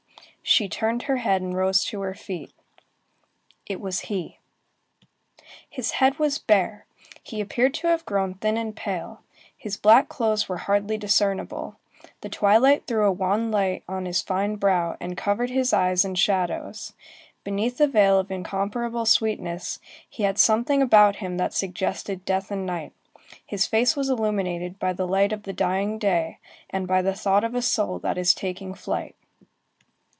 She turned her head and rose to her feet. It was he. His head was bare. He appeared to have grown thin and pale. His black clothes were hardly discernible. The twilight threw a wan light on his fine brow, and covered his eyes in shadows. Beneath a veil of incomparable sweetness, he had something about him that suggested death and night. His face was illuminated by the light of the dying day, and by the thought of a soul that is taking flight.